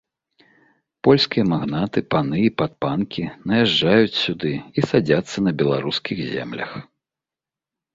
Польскія магнаты, паны і падпанкі наязджаюць сюды і садзяцца на беларускіх землях.